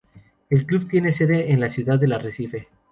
El club tiene sede en la ciudad del Arrecife.